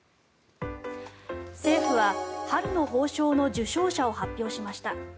政府は春の褒章の受章者を発表しました。